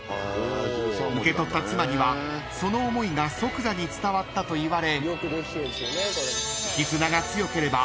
［受け取った妻にはその思いが即座に伝わったといわれ］